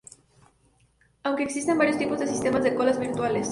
Aunque existen varios tipos de sistemas de colas virtuales.